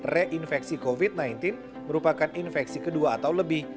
reinfeksi covid sembilan belas merupakan infeksi kedua atau lebih